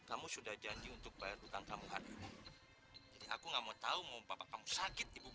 kamu sudah janji untuk bayar dukungan aku nggak mau tahu mau papa kamu sakit ibu